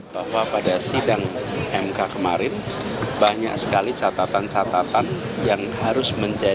bahwa pada sidang mk kemarin banyak sekali catatan catatan yang harus menjadi